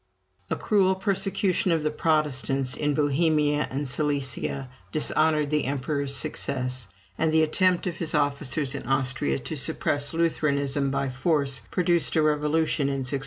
A cruel persecution of the Protestants in Bohemia and Silesia dishonored the emperor's success; and the attempt of his officers in Austria to suppress Lutheranism by force, produced a revolution in 1625.